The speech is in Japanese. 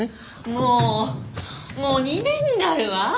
もうもう２年になるわ。